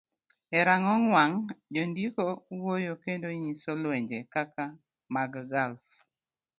E rang'ong wang', jondiko wuoyo kendo nyiso lwenje kaka mag Gulf,